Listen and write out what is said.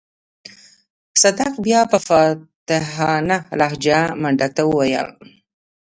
صدک بيا په فاتحانه لهجه منډک ته وويل.